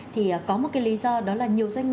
thì có một cái lý do đó là